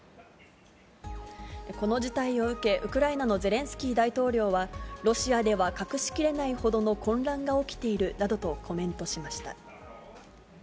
この事態を受け、ウクライナのゼレンスキー大統領はロシアでは隠しきれないほどの混乱が起きているなどとコメントしました。